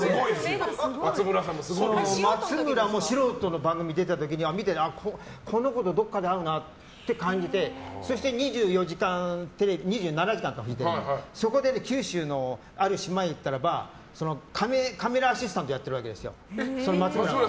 松村も素人の番組出た時にこの子とどっかで会うなって感じてそして「２７時間テレビ」でそこで九州のある島に行ったらカメラアシスタントをやってるわけですよ、松村が。